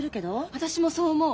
私もそう思う。